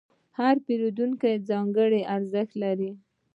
هر پیرودونکی ځانګړی ارزښت لري.